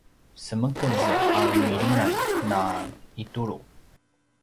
semekez a milingan na itulu